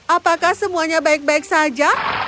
apakah semuanya baik baik saja